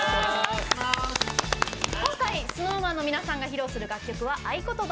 今回ＳｎｏｗＭａｎの皆さんが披露する楽曲は「あいことば」